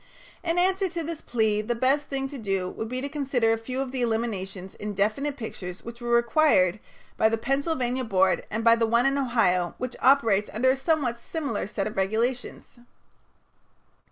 In answer to this plea the best thing to do would be to consider a few of the eliminations in definite pictures which were required by the Pennsylvania board and by the one in Ohio which operates under a somewhat similar set of regulations.